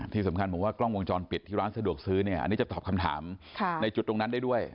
ที่สำคัญผมว่ากล้องวงจรปิดที่ร้านสะดวกซื้อเนี่ยอันนี้จะตอบคำถามในจุดตรงนั้นได้ด้วย